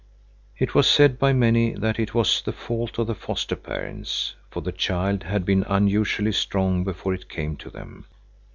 It was said by many that it was the fault of the foster parents, for the child had been unusually strong before it came to them.